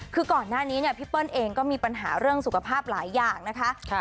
คือก่อนหน้านี้เนี่ยพี่เปิ้ลเองก็มีปัญหาเรื่องสุขภาพหลายอย่างนะคะ